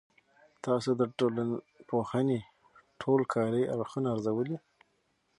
تاسو د ټولنپوهنې ټول کاري اړخونه ارزوي؟